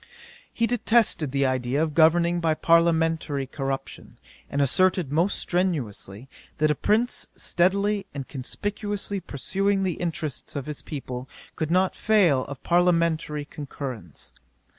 'He detested the idea of governing by parliamentary corruption, and asserted most strenuously, that a prince steadily and conspicuously pursuing the interests of his people, could not fail of parliamentary concurrence.